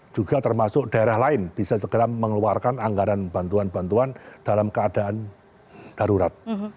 juga termasuk daerah lain bisa segera mengeluarkan anggaran bantuan bantuan dalam keadaan darurat